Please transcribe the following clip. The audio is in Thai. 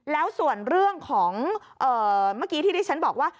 แล้วส่วนเรื่องของเมื่อกี้ที่ที่ฉันบอกว่า